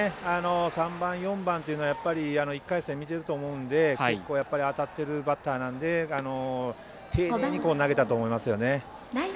３番、４番というのは１回戦見てると思うので結構、当たってるバッターなので丁寧に投げたと思いますよね。